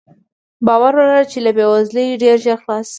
باور ولره چې له بې وزلۍ ډېر ژر خلاص شې.